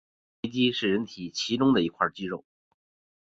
降眉肌是人体其中一块肌肉。